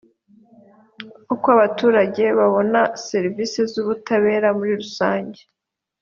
uko abaturage babona serivisi z’ubutabera muri rusange